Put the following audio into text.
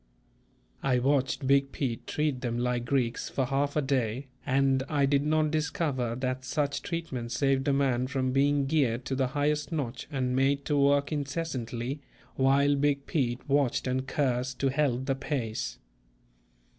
I watched "Big Pete" treat them like Greeks for half a day, and I did not discover that such treatment saved a man from being geared to the highest notch and made to work incessantly, while "Big Pete" watched and cursed to help the pace.